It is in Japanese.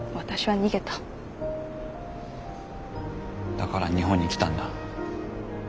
だから日本に来たんだ。